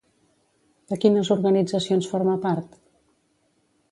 De quines organitzacions forma part?